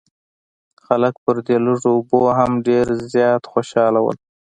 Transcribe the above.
خلک پر دې لږو اوبو هم ډېر زیات خوشاله وو.